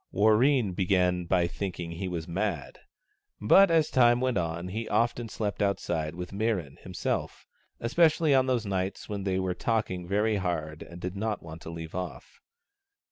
Warreen began by thinking he was mad. But as time went on he often slept outside with Mirran, himself, especially on those nights when they were talking very hard and did not want to leave off.